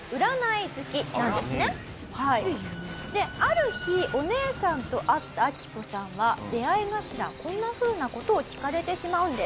ある日お姉さんと会ったアキコさんは出合い頭こんなふうな事を聞かれてしまうんです。